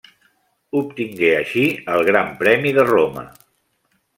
Obtingué així el gran premi de Roma.